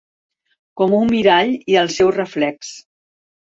Com un mirall i el seu reflex...».